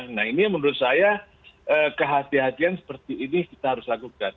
nah ini yang menurut saya kehatian kehatian seperti ini kita harus lakukan